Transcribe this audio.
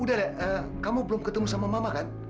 udah deh kamu belum ketemu sama mama kan